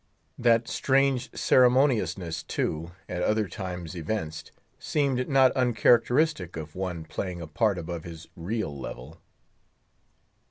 That strange ceremoniousness, too, at other times evinced, seemed not uncharacteristic of one playing a part above his real level.